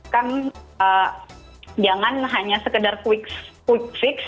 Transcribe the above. kan jangan hanya sekedar kuliah